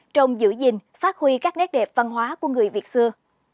trong giữ gìn phát huy các nét đẹp văn hóa của người việt xưa